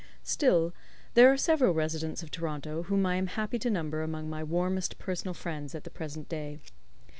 Still, there are several residents of Toronto whom I am happy to number among my warmest personal friends at the present day.